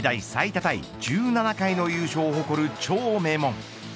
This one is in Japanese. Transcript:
タイ１７回の優勝を誇る超名門。